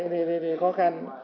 thì khó khăn